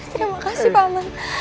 terima kasih pak man